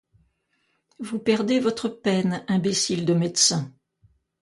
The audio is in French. Vous perdez votre peine, imbécile de médecin!